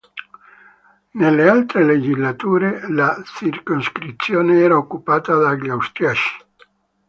Nelle altre legislature la circoscrizione era occupata dagli austriaci.